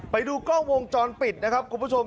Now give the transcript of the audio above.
ไปดูกล้องวงจรปิดนะครับคุณผู้ชม